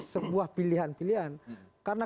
sebuah pilihan pilihan karena